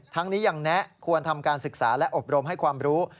ทั้งนี้ยังแนะควรทำการศึกษาและอบรมให้ความรู้